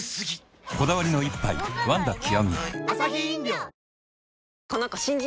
こだわりの一杯「ワンダ極」